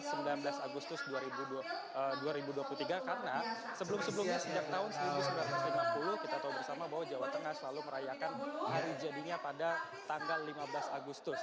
sembilan belas agustus dua ribu dua puluh tiga karena sebelum sebelumnya sejak tahun seribu sembilan ratus lima puluh kita tahu bersama bahwa jawa tengah selalu merayakan hari jadinya pada tanggal lima belas agustus